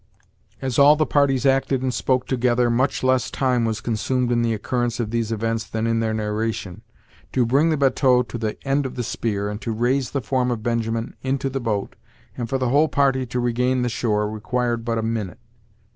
As all the parties acted and spoke together, much less time was consumed in the occurrence of these events than in their narration. To bring the batteau to the end of the spear, and to raise the form of Benjamin into the boat, and for the whole party to regain the shore, required but a minute.